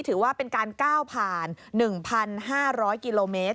ถือว่าเป็นการก้าวผ่าน๑๕๐๐กิโลเมตร